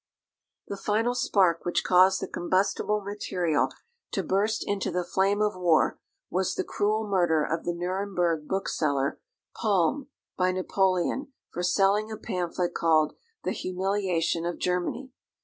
The final spark which caused the combustible material to burst into the flame of war, was the cruel murder of the Nuremberg bookseller, Palm, by Napoleon, for selling a pamphlet called, "The Humiliation of Germany."